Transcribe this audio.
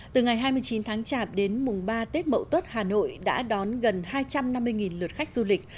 từ ngày hai mươi chín tháng chạp đến mùng ba tết mậu tuất hà nội đã đón gần hai trăm năm mươi lượt khách du lịch